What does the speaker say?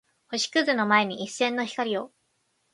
星屑の前に一閃の光を